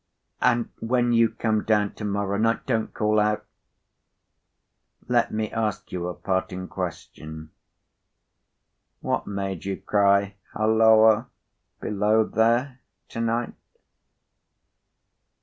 "And when you come down to morrow night, don't call out! Let me ask you a parting question. What made you cry 'Halloa! Below there!' to night?"